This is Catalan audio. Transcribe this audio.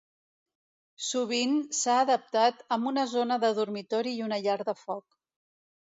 Sovint s'ha adaptat amb una zona de dormitori i una llar de foc.